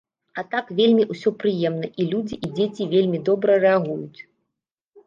А так вельмі ўсё прыемна, і людзі, і дзеці вельмі добра рэагуюць.